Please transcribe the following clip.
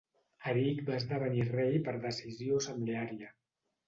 Eric va esdevenir rei per decisió assembleària.